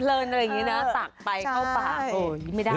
เพลินอะไรอย่างนี้นะตักไปเอาไปไม่ได้